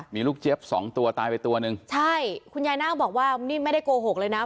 มีลูกเจี๊ยบสองตัวตายไปตัวหนึ่งใช่คุณยายนาคบอกว่านี่ไม่ได้โกหกเลยนะ